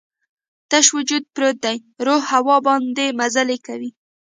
تش وجود پروت دی، روح هوا باندې مزلې کوي